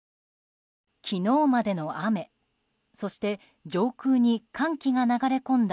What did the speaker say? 昨日までの雨そして上空に寒気が流れ込んだ